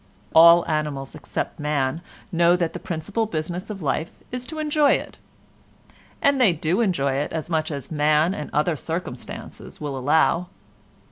All animals, except man, know that the principal business of life is to enjoy it—and they do enjoy it as much as man and other circumstances will allow.